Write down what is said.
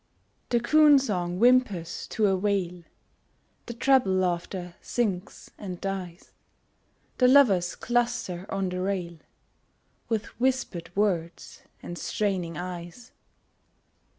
The coon song whimpers to a wail, The treble laughter sinks and dies, The lovers cluster on the rail, With whispered words and straining eyes.